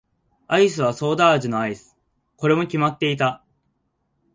アイスはソーダ味のアイス。これも決まっていた。